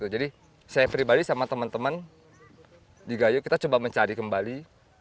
jadi saya pribadi sama teman teman di gayo kita coba mencari kembali